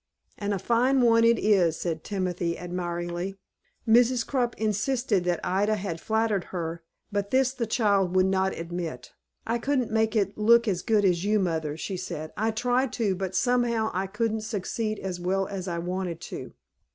"And a fine one it is," said Timothy, admiringly. Mrs. Crump insisted that Ida had flattered her, but this the child would not admit. "I couldn't make it look as good as you, mother," she said. "I tried to, but somehow I couldn't succeed as well as I wanted to."